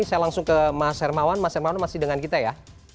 saya langsung ke mas hermawan mas hermawan masih dengan kita ya